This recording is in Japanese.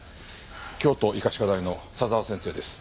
京都医科歯科大の佐沢先生です。